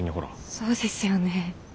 そうですよね。